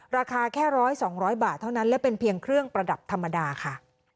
ราคาแค่๑๐๐๒๐๐บาทเท่านั้นและเป็นเพียงเครื่องประดับธรรมดาค่ะ